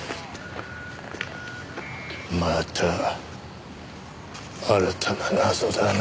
また新たな謎だな。